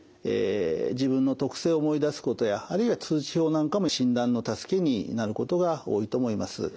自分の特性を思い出すことやあるいは通知表なんかも診断の助けになることが多いと思います。